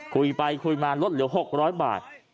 คุยไปคุยมาลดเหลือ๖๐๐บาท